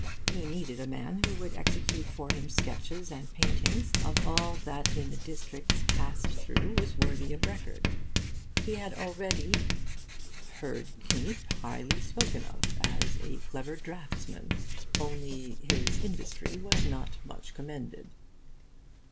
He needed a man who would execute for him sketches and paintings of all that in the districts passed through was worthy of record. He had already 'heard Kniep highly spoken of as a clever draughtsman only his industry was not much commended.